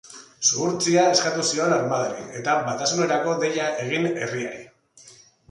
Zuhurtzia eskatu zion armadari, eta batasunerako deia egin herriari.